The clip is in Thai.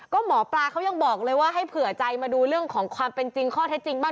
ก็หมอปลาเขายังบอกเลยว่าให้เผื่อใจมาดูเรื่องของความเป็นจริงข้อเท็จจริงบ้าง